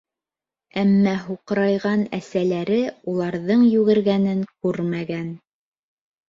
Әммә һуҡырайған әсәләре уларҙың йүгергәнен күрмәгән.